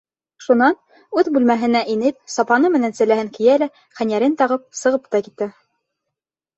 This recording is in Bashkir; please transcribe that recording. Шунан, үҙ бүлмәһенә инеп, сапаны менән сәлләһен кейә лә, хәнйәрен тағып, сығып та китә.